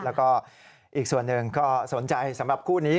แล้วก็อีกส่วนหนึ่งก็สนใจสำหรับคู่นี้